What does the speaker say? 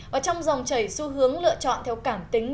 và trong dòng chảy xu hướng lựa chọn theo cảm tính